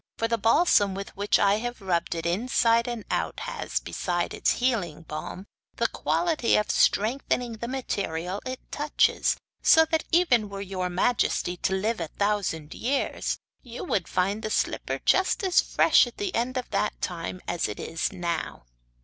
'For the balsam with which I have rubbed it inside and out has, besides its healing balm, the quality of strengthening the material it touches, so that, even were your majesty to live a thousand years, you would find the slipper just as fresh at the end of that time as it is now.